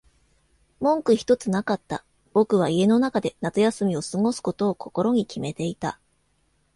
文句ひとつなかった。僕は家の中で夏休みを過ごすことを心に決めていた。